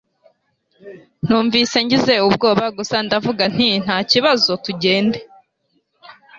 Numvise ngize ubwoba gusa ndavuga nti ntakibazo tugende